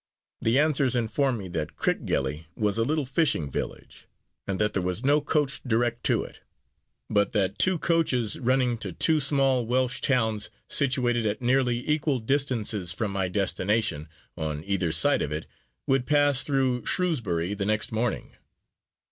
The answers informed me that Crickgelly was a little fishing village, and that there was no coach direct to it, but that two coaches running to two small Welsh towns situated at nearly equal distances from my destination, on either side of it, would pass through Shrewsbury the next morning.